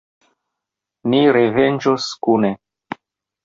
Ni revenĝos kune.